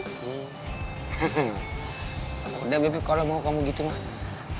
kalau udah bebek kalau mau kamu gitu mah